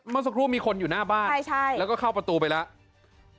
เมื่อสักครู่มีคนอยู่หน้าบ้านแล้วก็เข้าประตูไปแล้ว